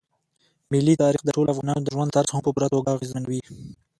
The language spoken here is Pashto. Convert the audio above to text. ملي تاریخ د ټولو افغانانو د ژوند طرز هم په پوره توګه اغېزمنوي.